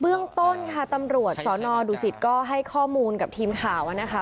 เรื่องต้นค่ะตำรวจสนดุสิตก็ให้ข้อมูลกับทีมข่าวนะคะ